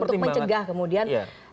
untuk mencegah kemudian